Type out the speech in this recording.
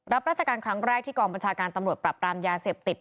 รับราชการครั้งแรกที่กองบัญชาการตำรวจปรับปรามยาเสพติด